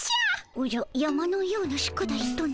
おじゃ山のような宿題とな？